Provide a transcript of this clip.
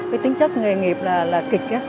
cái tính chất nghề nghiệp là kịch á